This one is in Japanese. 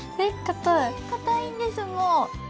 かたいんですもう。